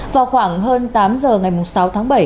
vào khoảng hơn tám giờ ngày sáu tháng bảy